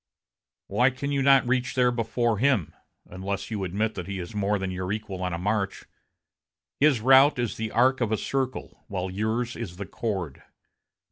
Why can you not reach there before him, unless you admit that he is more than your equal on a march? His route is the arc of a circle, while yours is the chord.